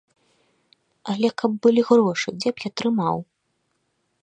Але каб былі грошы, дзе б я трымаў?